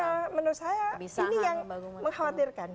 ya menurut saya ini yang mengkhawatirkan